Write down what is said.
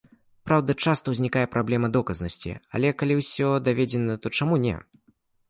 Праўда, часта ўзнікае праблема доказнасці, але калі ўсё даведзена, то чаму не?